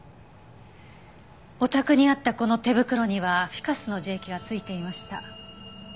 お宅にあったこの手袋にはフィカスの樹液が付いていました。